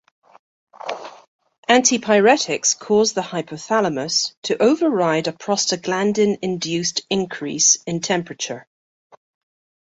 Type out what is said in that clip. Antipyretics cause the hypothalamus to override a prostaglandin-induced increase in temperature.